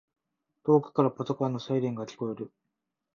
遠くからパトカーのサイレンが聞こえてくる